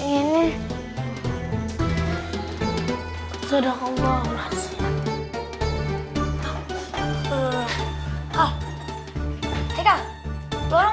mereka lu mean